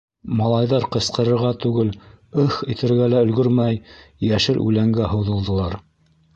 Малайҙар, ҡысҡырырға түгел, «ыһ» итергә лә өлгөрмәй, йәшел үләнгә һуҙылдылар.